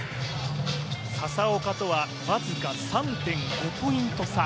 笹岡とは僅か３．５ポイント差。